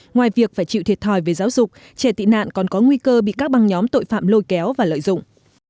ngoài việc phải chịu thiệt thòi về giáo dục trẻ tị nạn còn có nguy cơ bị các băng nhóm tội phạm lôi kéo và lợi dụng